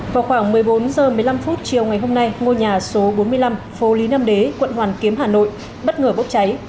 vào khoảng một mươi bốn h một mươi năm chiều ngày hôm nay ngôi nhà số bốn mươi năm phố lý nam đế quận hoàn kiếm hà nội bất ngờ bốc cháy